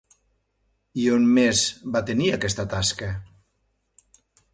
I on més va tenir aquesta tasca?